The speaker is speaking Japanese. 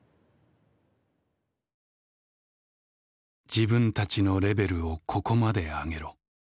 「自分達のレベルをここまで上げろ。